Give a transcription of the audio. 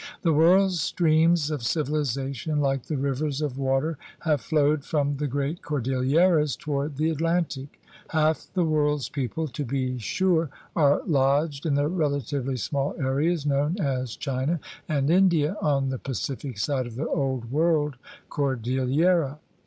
The world's streams of civilization, like the rivers of water, have flowed from the great cordilleras toward the Atlantic. Half of the world's people, to be sure, are lodged in the relatively small areas known as China and India on the Pacific side of the Old World cordil lera.